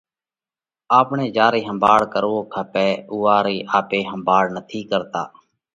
آپڻئہ جيا رئي ۿمڀاۯ ڪروو کپئہ اُوئا رئي آپي ۿمڀاۯ نھ ڪرتا۔